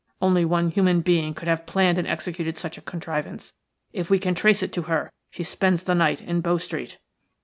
Only one human being could have planned and executed such a contrivance. If we can trace it to her, she spends the night in Bow Street."